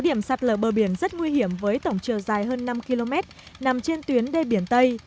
tám điểm sạt lở bờ biển rất nguy hiểm với tổng chiều dài hơn năm km nằm trên tuyến đê biển tây